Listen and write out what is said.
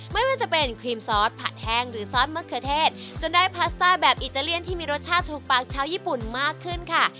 ไม่ว่าจะเป็นครีมซอสผัดแห้งหรือซอสมะเขือเทศจนได้พาสต้าแบบอิตาเลียนที่มีรสชาติถูกปากชาวญี่ปุ่นมากขึ้นค่ะ